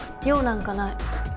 用なんかない。